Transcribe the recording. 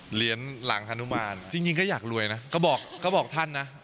เหรียญหลังฮานุมานจริงก็อยากรวยนะก็บอกก็บอกท่านนะ